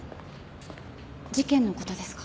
事件の事ですか？